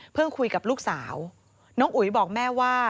คุยกับลูกสาวน้องอุ๋ยบอกแม่ว่า